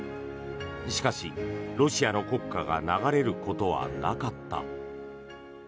しかし、ロシアの国歌が流れることはなかった。